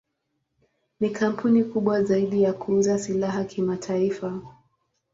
Ni kampuni kubwa zaidi ya kuuza silaha kimataifa.